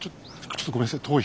ちょっとごめんなさい遠い。